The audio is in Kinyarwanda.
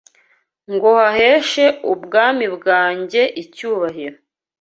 ngo haheshe ubwami bwanjye icyubahiro